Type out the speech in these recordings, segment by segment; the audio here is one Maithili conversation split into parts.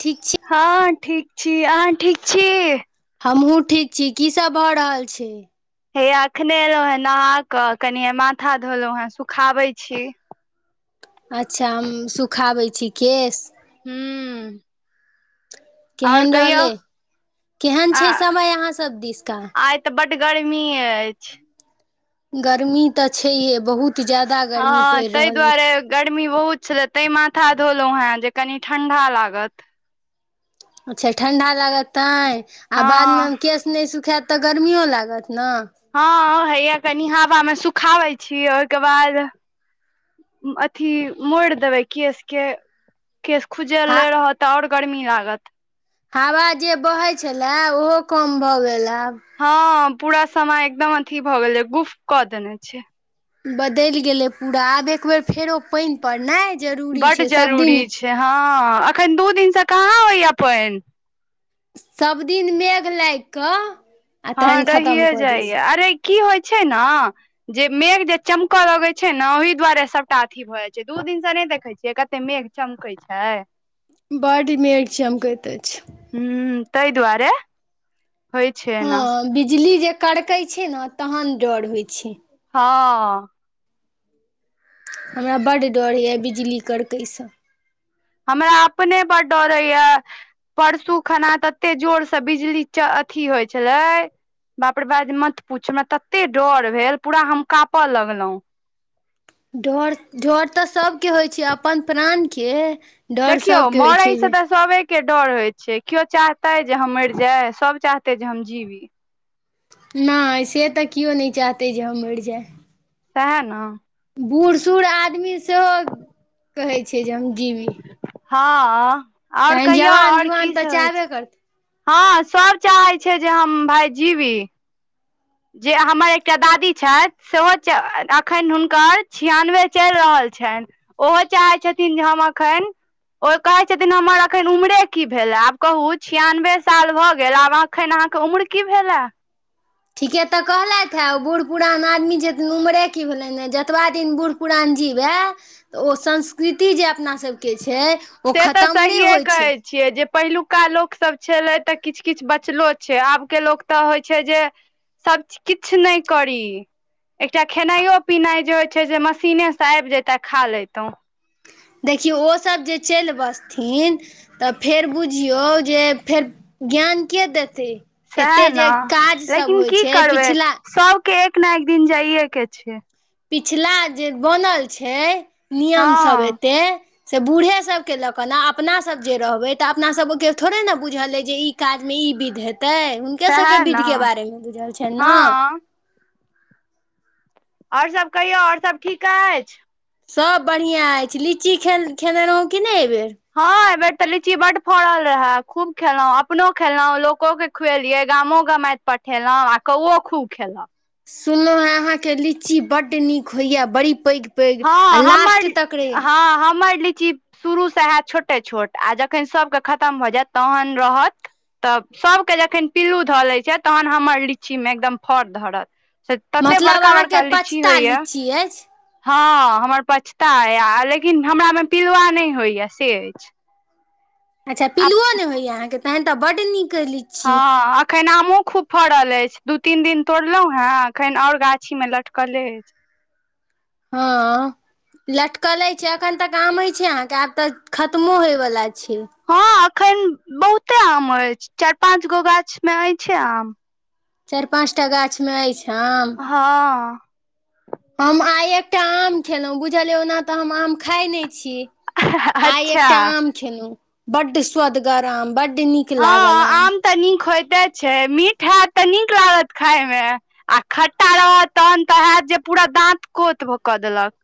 ठीक छि हँ ठीक छी अहाँ ठीक छी हमहुँ ठीक छी कीसब भऽ रहल छै हे अखने एलहु हेँ नहा के कनिए माथा धोलहुँ हेँ सुखाबै छी अच्छा हम सुखाबै छी केश हूँ केहन रहलै केहन आ छै समय अहाँ सब दिश का आइ तऽ बड्ड गर्मी अछि गर्मी तऽ छैहे बहुत जादा हँ तहि दुआरे गर्मी बहुत छलए तैं माथा धोलहुॅं हेँ जे कनि ठंडा लागत अच्छा ठंडा लागतआ तैं आ बाद हँ में केस नै सुखायत तऽ गर्मियो लागत न हँ हइए कनि हाबा में सुखाबै छी ओहिके बाद अथी मोइड़ देबै केश के केश खुजल हा रहत तऽ ओर गरमी लागत हावा जे बहै छलए ओहो कम भऽ गेल आब हँ पूरा समय एकदम अथी भऽ गेल गुफ कऽ देने छै बदइल गेलै पूरा आब एकबेर फेरो पानि परनाइ जरूरी छै सबदिन जे हँ अखन दू दिनसँ कहाँ अबइ अपन सबदिन मेघ लाइग कऽ आ हँ तखन खतम रहिए कऽ दै जाइया छै अरे की होइ छै ने जे मेघ जे चमकऽ लगै छ ने ओहि दुआरे सबटा अथी की भऽ जाइ छै दू दिन से नै देखै छियै कते मेघ चमकै छै बड मैड चमकेत अछि हूं तहि दुआरे होइ छै एना हँ बिजली जे कड़कै छै ने तहन डर होइ छै हँ हमरा बड्ड डर यए बिजली करकैस हमरा अपने बड डरैया परसू खना तते जोरसँ बिजली अथि होइ छलै बापरे बाप ब मत पूछ हमरा तते डर भेल पूरा हम काँपय लगलहु डर डर तऽ सभके होइ छै अपन प्राण के देखियौ मर ईस तऽ सबे के डर होय छै केओ चाहते जे हम मरि जाय सब चाहते जे हम जीवी नाय से तऽ किओ नै चाहतै जे हम मरि जाइ सएह न बूढ़ सूढ़ आदमी से कहै छय जे हम जिवी हँ ओर कहियौ जवान ओर जुआन तऽ कीसब होइ चाहबे छै करतै हँ सभ चाहै छै जे हम भाय जीबी जे हमर एकटा दादी छथि सेहो एखन हुनकर छियानबे चलि रहल छइन ओहो चाहै छथिन जे हम अखेन ओ कहै छथिन हमर एखन उमरे की भेलै आब कहू छियानबे साल भऽ गेल आब एखन अहाँके उम्र की भेलए ठीके तऽ कहलथि हे ओ बूढ़ पुरान आदमी जे उमरे की भेलनि हैं जतबा दिन बुढ़ पुराण जीवए तऽ ओ संस्कृति जे अपनासबके छै ओ से तऽ खतम नहि सहियए होइ छै कहै छियै जे पहिलुका लोकसब छलै तऽ किछ किछ बचलो छै आब के लोक तऽ होइत छै जे सब किछ नहि करी एकटा खेनाइयो पिनाइ जे होइ छै जे मशीनेसँ आबि जैतै खा लैतहुँ देखियौ ओसब जे चइल बसथिन तऽ फेर बुझियौ जे फेर ज्ञान के देतै सैहे एते न जे काज सब लेकिन होइ की छै करबै पिछला सबके एक ने एक दिन जाइए के छै पिछला जे बनल छै नियमसब हँ एते से बूढ़ेसबकेँ लऽ कऽ ने अपनासब जे रहबै तऽ अपनासभ ओके थोड़े ने बुझल अछि जे ई काज मे ई विध हेतै हुनके सएह सबके विध ने के बारे मे बुझल छनि हँ न ओर सब कहियौ ओर सब ठीक अछि सब बढ़िआँ अछि लीची खे खेने रहौँ कि नहि एहिबेर हँ एहि बेेर तऽ लीची बड फड़ल रहै खूब खेलहुं अपनो खेलहुं लोकोक के खुएलिये गामोे गमाइत पठेलिये आ कौओ खूब खेलक सुनलहुँ हेँ अहाँके लीची बड नीक होइया बड़ी पैघ पैघ आ हँ लास्ट हमर तक रे हँ हमर लीची शुरूसँ हैत छोटे छोट आ जखन सभके खतम भऽ जायत तहन रहत तऽ सभके जखन पिल्लू धऽ लैत छथि तहन हमर लीचीमे एकदम फड़ धरत स तते बड़का बड़का लीची होइया छीये हँ हमर पछता अय लेकिन हमरा मे पिलवा नहि होइया से अछि अच्छा आ पिलुओ नहि होइया अहाँके तन तऽ बड नीक कहली छी हँ खन आमो खूब फड़ल अछि दू तीन दिन तोड़लहुॅं हँ खखन आओर गाछी मे लटकले अछि हँ लटकले छै एखन तक आम अछै अहाँके आब तऽ खत्मो होयवला छै हँ एखन बहुते आम अछि चाइर पाँच गो गाछ में अछिये आम चाइर पाँच टा गाछ मे अछि आम हँ हम आइ एकटा आम खेलहुँ बुझलिय ओना तऽ हम आम खाय नहि छी आइ अच्छा एकटा आम खेलहुँ बड्ड स्वदगर आम बड नीक हँ लागल आम तऽ नीक होइते छै मीठ हयत तऽ नीक लागत खाय मे आ खट्टा रहत तहन तऽ हयत जे पूरा दात कोत कऽ देलक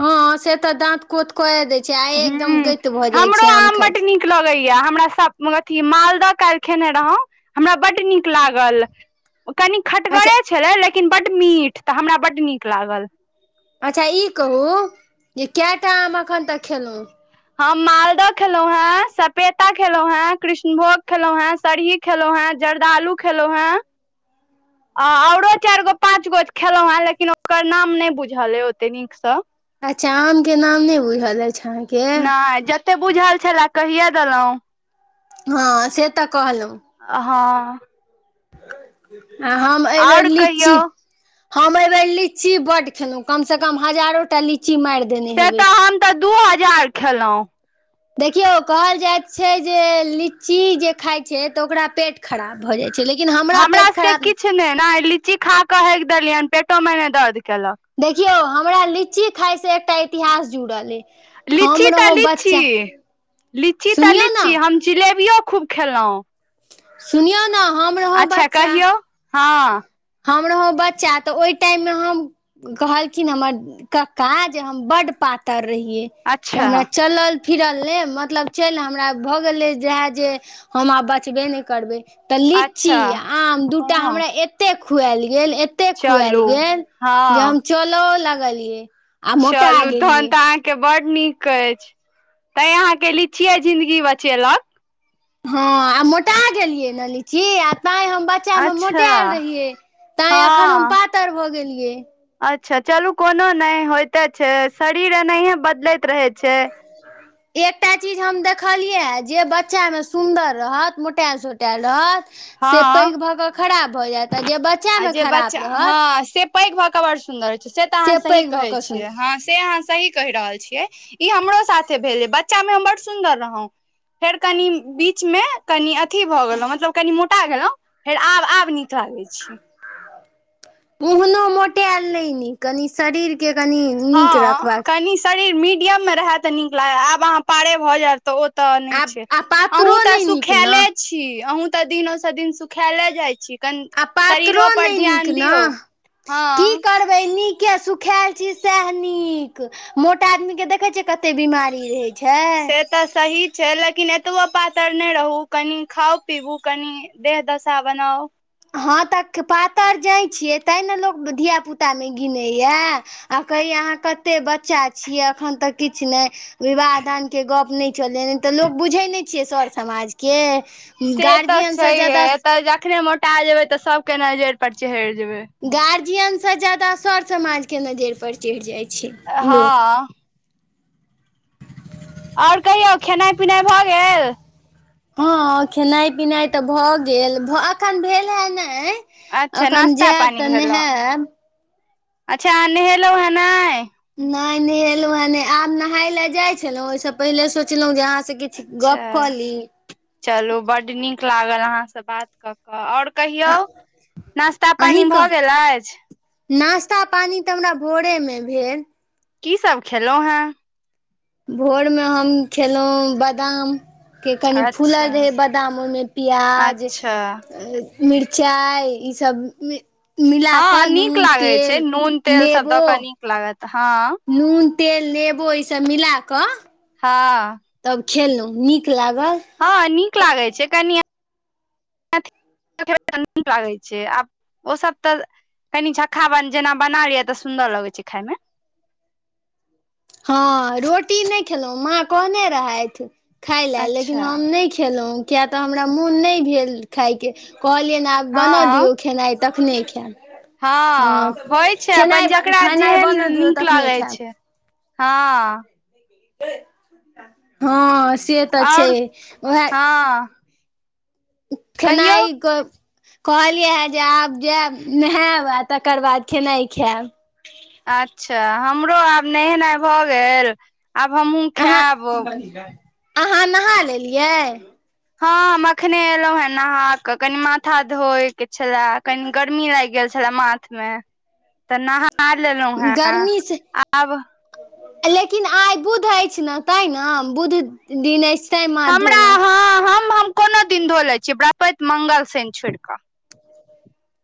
हँ से तऽ दाँत कोत क य दै छै आ एकदम हूँ गति भऽ जाइ हमरो छै आम खाइ बड्ड छै नीक लगैया हमरा सब अथी मालदह काल्हि खेने रहौ हमरा बड्ड नीक लागल कनि अच्छा खटगरे छलै लेकिन बड्ड मीठ तऽ हमरा बड्ड नीक लागल अच्छा ई कहू जे कैटा आम एखन तक खेलहुँ हम मालदह खेलौं हें सपेता खेललों हें कृष्णभोग खेलो हें सरही खेलौ हैं जर्दालु खेलों है आ औरो चारि गो पाँच गो खेलहुं हेँ लेकिन ओकर नाम नहि बुझल अय ओते नीकसँ अचामके नाम नहि बुझल अइछ अहाँके ते बुझल छलए कहिया देलहुं हँ से तऽ कहलहुँ हं आ हम एयबेर आओर लीची कहियौ हम एह बेेर लीची बड्ड खेलहुँ कमसँ कम हजारो टा लीची माइर देने से हेबै तऽ हम तऽ दू हजार खेलहु देखियौ कहल जाइत छै जे लीची जे खाइ छै तऽ ओकरा पेट खराब भऽ जाइ छै लेकिन हमरा पेट खराब नह कि ने ने लीची खा के हेक देलियह हन पेटो मे ने दर्द केलक देखियो हमरा लीची खााय से एकटा इतिहास जुड़ल ए लीची त लीची लीची त सुनियौ ने लीची ह जिलेबियो खूब खेलो सुनियो न अच्छा कहियौ ह हम रहौ बच्चा तऽ ओहिटाइम में हम कहलखिन हमर कक्का जे हम बड्ड पातर रहिय त अच्छा हमरा चलल फिरल नइ मतलब चलि हमरा भऽ गेलै जेएए जे हम आब बचबे नहि करबै त लीची अच्छा आ आम दूटा हँ हमरा एतेक खुएल गेल एते ओते खुआएल चलू गेल जे हँ हम चलो लगलिय चलू तहन त आं के बड नीक अछि तैं अहाँके लीचिये जिन्दगी बचेलक हँ आ मोटा गेलियै न लीची आ ताय हम बच्चा में अच्छा मोटायल रहियै तैं एखन हम हँ पातर भऽ गेलियै अच्छा चलू कोनो नहि होइते छै शरीर एनाहियए बदलैत रहै छै एकटा चीज हम देखलियै जे बच्चा मे सुन्दर रहत मोटा सोटैल रहत से हँ पैघ भ कऽ खराब भऽ जायत आ जे बच्चामे खराब रहत पैक भए के बड़ सुंदर होय छै से तऽ अहाँ सही पैघ भऽ कहे कऽ छीयै सुन्दर हं से अहाँ सही कहि रहल छियै ई हमरो साथे भेले बच्चा मे हम बड़ सुन्दर रहौं फेर कनि बीच में कनि अथी भऽ गेलो मतलब कनि मोटा गेलहुँ फेर आब आब नीक लागै छी ओहनो मोटायल नहि नीक कनि शरीर के कनि नीक हँ रखबाक कनि शरीर मीडियम मे रहय तऽ नीक लागे आब अहाँ पारे भऽ जायत तऽ ओ तऽ नहि आब छै आ अहुूँ पातरो तऽ नहि नीक ने सुखाले छी छी अहुँ तऽ दिनो से दिन सुखायले जाय छी कनि आ पात्रो शरीरो पर नहि नीक ध्यान न दियौ की हँ करबै बै नीके सुखायल छी सएह नीक मोटा आदमी के देखै छी कते बीमारी रहे छै से तऽ सही छै लेकिन एतबो पातर नहि रहू कनि खाउ पीबू कनि देह दशा बनाओ हँ तऽ पातरि जाइत छियै तैँ ने लोक धियापुतामे गिनैएा आ कहियै अहाँ कते बच्चा छियै एखन तऽ किछु नहि विवाह दानके गप्प नहि चलैया नही तऽ लोक बुझैत नहि छियै सर समाजके से तऽ गार्जियनसँ छैहे ज्यादा एतऽ जखने मोटा जेबै तऽ सबके नजरि पर चहरि जेबै गार्जियन सँ ज्यादा सर समाजके नजरि पर चढ़ि जाइत छै लोक हँ आओर कहियौ खेनाइ पिनाइ भऽ गेल हँ खेनाइ पिनाइ तऽ भऽ गेल अखन भेल हे नहि अच्छा अखन नाश्ता जायब पानी तऽ भेलौ नहायब अच्छा नहेलौ है नहि नहि न नहेलौ हुँ हेँ नहि आब नहाय लए जाय छलहुं ओहिसँ पहिले सोचलहुं जे किछु अच्छा गप कऽ ली चलू बड्ड नीक लागल अहाँ से बात कऽ के आ और कहियौ नास्ता पानी भऽ गेल अछि नास्ता पानी तऽ हमरा भोरे मे भेल की सब खेलहुॅं हैं भोरमे हम खेलहुँ बादाम के कनि फूल अच्छा दे बादाम ओहिमे प्याज अच्छा मिरचाइ ईसभमे हँ नीक लागै छै नून तेल सब द नेबो क नीक लागत हँ नून तेल लेबो ईसब मिलाकऽ हँ तब खेलहुँ नीक लागल हँ नीक लागैत छै कनि अ तऽ नीक लागै छै आब ओ सब तऽ [unintelligible] कनी झक्खा जेना बना लियै तऽ सुंन्दर लगे छै खाय मे हँ रोटी नहि खेलहुँ माँ कहने रहथि खाय लेलए लेकिन अच्छा हम नहि खेलहुँ किया तऽ हमरा मोन नहि भेल खायके कहलियनि आब बनऽ हँ दियौ खेनाइ तखने खायब हँ होइ छै अपन खेनाइ जकरा खेनाइ जेहन बनऽ दियौ नीक तखने लागै खायब छै हँ हँ से तऽ छै आओर उएह हँ कहियौ खेनाइ क कहलियै हे जे आब जायब नहायब आ तकर बाद खेनाइ खायब अच्छा हमरो आब नहेनाइ भऽ गेल आब हमहूँ अहाँ खायब अहाँ नहा लेलियै [unintelligible] हँ ऐखने एलहुं हें नहा कऽ कनि माथा धोय के छल कनी गर्मी लागि गेल छल माथ मे तऽ ना खा लेलहु हैं गर्मी से आब लेकिन आइ बुध अछि न ताय न बुध दिन अछि तैं माथ हमरा धोलहुँ हँ हम हम कोनो दिन धो लै छियै ब्रृहस्पति मंगल शनि छोड़ि क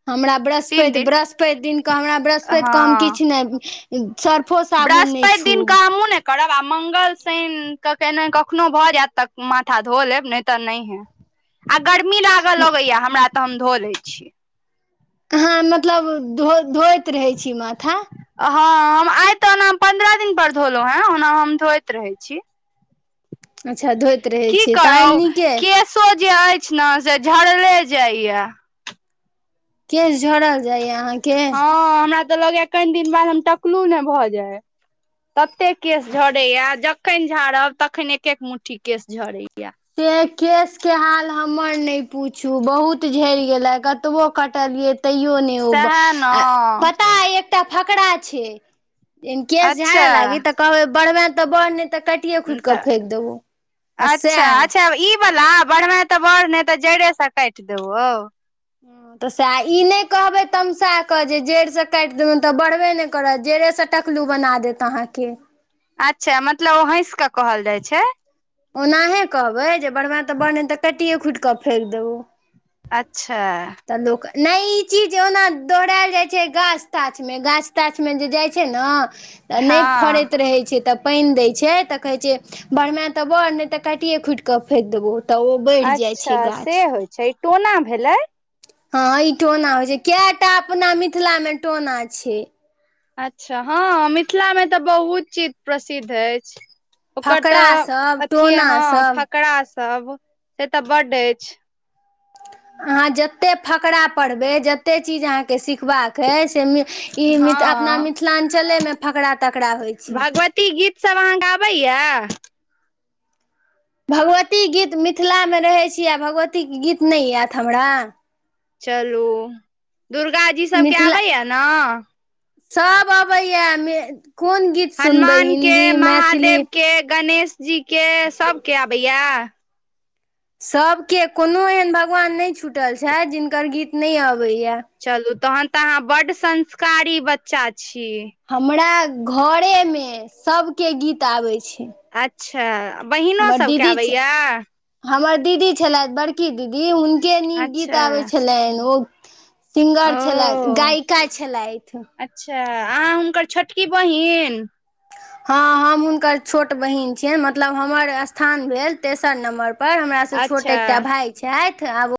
हमरा बृहस्पति दिन बृहस्पति दिनके हमरा बृहस्पति क हम हँ किछु नह सर्फो साबुन नहि बृहस्पति छू दिन के हमहुँ ने करब आ मंगल शनि तऽ केने कखनो भऽ जायत तक माथा धो लेब नहि तऽ नहि ह आ गर्मी लागऽ लगैया हमरा तऽ हम धो लै छीय अहाँ मतलब धो धोइत रहै छी माथ हँ हम आइ त ओना हम पन्द्रह दिन पर धोलहुं हैं ओना हम धोय रहै छी अच्छा धोइत रहै छीयै तऽ आनि नीके केसो जे अछि ने से झरले जाइय केश झरल जाइया अहाँ क हँ हमरा तऽ लगैय कनि दिन बाद हम टकलू ने भऽ जाय तते केश झरैया जखन झाड़ब तखन एक एक मुठी केश झड़ैया से केस के हाल हमर नहि पूछू बहुत झड़ि गेलै कतबो कटलियै तैयो नै ओ ब सएह ने आ पता अ एकटा फकरा छै केश अच्छा झाड़े लागी तऽ कहब बढ़बै त बढ़ नै त काट काटिये खूटि क तऽ फेेक देबो आ अच्छा सए अच्छा ई वाला बढ़बइ तऽ बड़ नहि तऽ जड़े से काइट देब ह तऽ सएह ई नहि कहबै तमसा कऽ जे जड़िसँ काटि देबनि तऽ बढ़बे नहि करत जड़िस टकलू बना देत अहाँके अच्छा मतलब ओ हँस कऽ कहल जाइ छ ओनाहे कहबै जे बरबा तऽ बन तऽ कटिए खूटि कऽ फेक देब अच्छा तऽ लोक न ई चीज ओना दौहड़ल जाय छै गाछ ताछ में गाछ ताछ में जे जाइ छै न त नहि हँ फरैत रहै छै तऽ पइन दै छै तऽ कहै छै बढ़मै त बढ़ नहि तऽ काटिए खूटि कऽ फेेक देबौ तऽ ओ बढ़ि जाइ अच्छा छै से गाछ होइ छै टोना भेलै हँ ई टोना होइ छै कएटा अपना मिथिला मे टोना छै अच्छा हँ मिथिलामे त बहुत चीज प्रसिद्ध अछि ओकर फकरा तऽ सब अथी टोना हँ सब फकरा सब से तऽ बड् अछि अहाँ जतेक फकरा पढ़बै जतेक चीज अहाँके सिखबाक अइसे इ मिथ अपना हँ मिथिलांचले में फकरा तकरा होइ छै भगवती गीत सब अहाँ के आबैया भगवती गीत मिथिला में रहै छी आ भगवतीके गीत नहि आयत हमरा चलू दुर्गाजी सबके आबैया न सब अबैया यै कोन गीत सुनबै हनुमान हिन्दी के मैथिली महादेव के गणेश जी के सबके अबैया सबके कोनो एहन भगवान नहि छुटल छथि जिनकर गीत नहि अबैए चलू तहन तऽअहाँ बड संस्कारी बच्चा छी हमरा घरेमे सबके गीत आबै छै अच्छा बहिनों हमर सबके दीदी छै आबैया हमर दीदी छलथ बड़की दीदी हुनके नीक गीत अच्छा आबैय छलैन ओ सिंगर छल‌इथ ओ गायिका छल‌इथ अच्छा आहाँ हुनकर छोटकी बहिन हँ हम हुनकर छोट बहिन छियइन मतलब हमर स्थान भेल तेसर नम्बर पर हमरा से छोट अच्छा एकटा भाय छैथ आब ओ